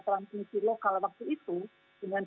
transmisi lokal waktu itu dengan